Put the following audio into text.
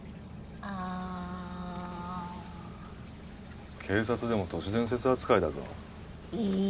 あ警察でも都市伝説扱いだぞい